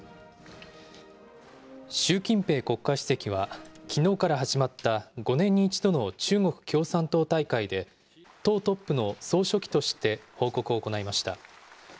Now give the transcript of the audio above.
習近平国家主席は、きのうから始まった５年に１度の中国共産党大会で、党トップの総書記として報告を行いました。